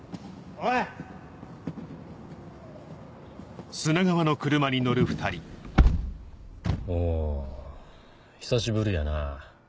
お久しぶりやな